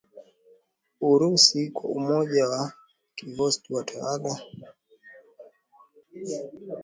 Urusi kuwa Umoja wa Kisoveti wakitawala kwa mfumo wa kiimla wa chama